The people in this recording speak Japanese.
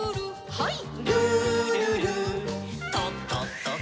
はい。